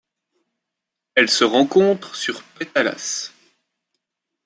Elle se rencontre sur Petalás.